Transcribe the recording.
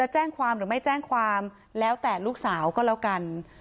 แจ้งความแล้วแต่ลูกสาวก็แล้วกัน